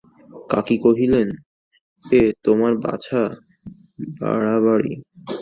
কাকী কহিলেন, এ তোমার, বাছা, বাড়াবাড়ি।